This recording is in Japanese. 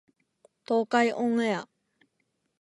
東海オンエア